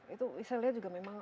itu saya lihat juga memang